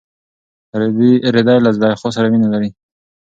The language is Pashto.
رېدی له زلیخا سره مینه لري.